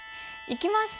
いきます！